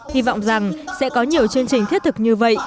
hy vọng rằng sẽ có nhiều chương trình thiết thực như vậy